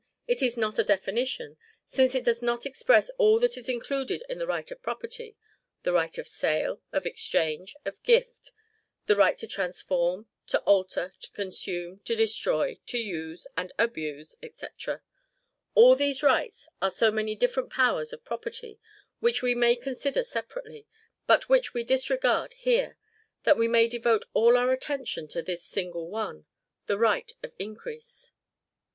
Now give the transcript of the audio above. It is not a definition, since it does not express all that is included in the right of property the right of sale, of exchange, of gift; the right to transform, to alter, to consume, to destroy, to use and abuse, &c. All these rights are so many different powers of property, which we may consider separately; but which we disregard here, that we may devote all our attention to this single one, the right of increase.